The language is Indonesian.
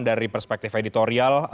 dari perspektif editorial